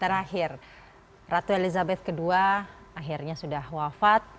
terakhir ratu elizabeth ii akhirnya sudah wafat